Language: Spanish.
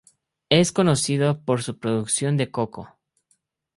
Es conocido por su producción de coco.